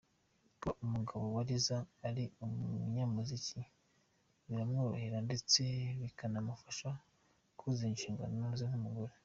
Kuba umugabo wa Liza ari umunyamuziki biramworohera ndetse bikanamufasha kuzuza inshingano ze nk’umugore.